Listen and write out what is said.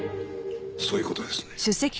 そういう事ですね。